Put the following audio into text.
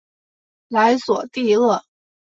莱索蒂厄。